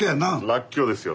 らっきょうですよ。